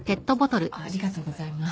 ありがとうございます。